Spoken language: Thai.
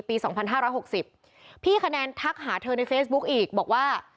ปีสองพันห้าร้อยหกสิบพี่คะแนนทักหาเธอในเฟซบุ๊คอีกบอกว่า